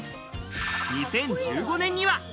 ２０１５年には。